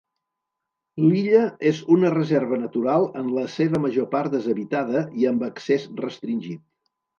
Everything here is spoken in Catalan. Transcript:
L'illa és una reserva natural en la seva major part deshabitada i amb accés restringit.